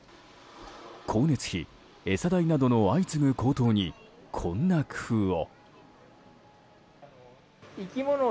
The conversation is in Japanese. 光熱費、餌代などの相次ぐ高騰にこんな工夫を。